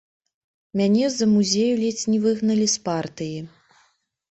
Мяне з-за музею ледзь не выгналі з партыі.